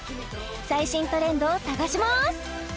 最新トレンドを探します！